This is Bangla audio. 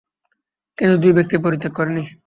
কিন্তু দুই ব্যক্তি পরিত্যাগ করেনি।